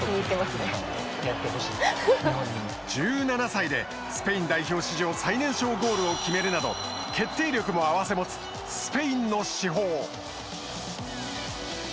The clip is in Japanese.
１７歳で、スペイン代表史上最年少ゴールを決めるなど決定力も併せ持つスペインの至宝。